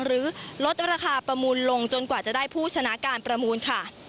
ลดราคาประมูลลงจนกว่าจะได้ผู้ชนะการประมูลค่ะ